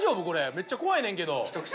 めっちゃ怖いねんけど。